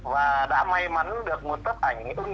và đã may mắn được một tấp ảnh ưng ý